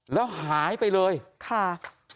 แล้วหายไปเลยค่ะ